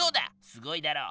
すごいだろ！